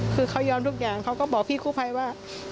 คือยอมทุกอย่างเค้าก็บอกพี่คู่ไฟว่า